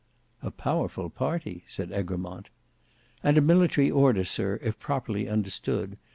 "A powerful party," said Egremont. "And a military order, sir, if properly understood.